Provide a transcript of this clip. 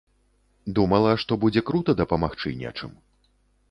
Думала, што будзе крута дапамагчы нечым.